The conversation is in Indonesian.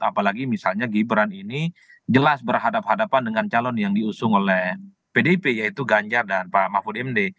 apalagi misalnya gibran ini jelas berhadapan hadapan dengan calon yang diusung oleh pdip yaitu ganjar dan pak mahfud md